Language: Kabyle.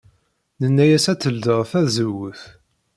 Nenna-as ad teldey tazewwut.